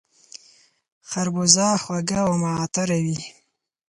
خربوزه خوږه او معطره وي